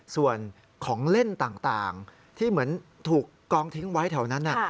ส่วนของเล่นต่างที่เหมือนถูกกองทิ้งไว้แถวนั้น